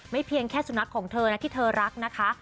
เพียงแค่สุนัขของเธอนะที่เธอรักนะคะ